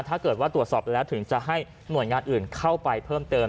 ถ้าเกิดว่าตรวจสอบแล้วถึงจะให้หน่วยงานอื่นเข้าไปเพิ่มเติม